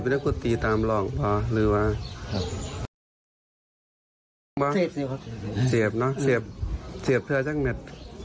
แล้วแต่ครับมีปัจจัยอะไรก็ประมาณ๒เม็ด